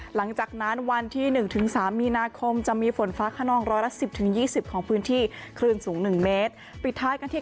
หลังจากนั้นวันที่๑๓มีนาคมจะมีฝนฟ้าขนองรอยละ๑๐๒๐ของพื้นที่